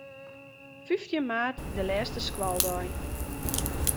Fyftjin maart is de lêste skoaldei.